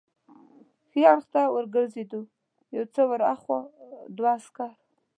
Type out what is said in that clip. ښي اړخ ته ور وګرځېدو، یو څه ور هاخوا دوه عسکر.